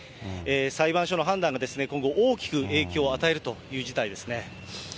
裁判所の判断が、今後、大きく影響を与えるという事態ですね。